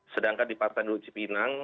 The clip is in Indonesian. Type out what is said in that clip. sedangkan di pasar induk di pinang